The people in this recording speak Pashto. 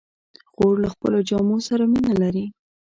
خور له خپلو جامو سره مینه لري.